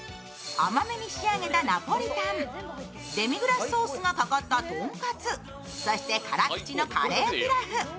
甘めに仕上げたナポリタン、デミグラスソースがかかったとんかつ、そして辛口のカレーピラフ。